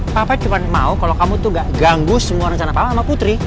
papa cuma mau kalau kamu tuh gak ganggu semua rencana papa sama putri